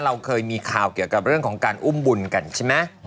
เราเคยมีข่าวเกี่ยวกับเรื่องของการอุ้มบุญกันใช่ไหม